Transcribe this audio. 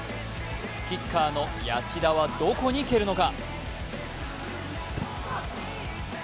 キッカーの谷内田はどこに蹴るのか？